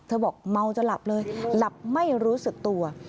บอกเมาจนหลับเลยหลับไม่รู้สึกตัว